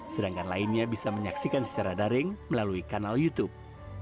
sedangkan lainnya bisa menyaksikan secara daring melalui kanal youtube